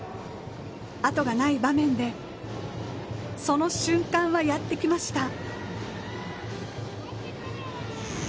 後がない場面でその瞬間はやってきました。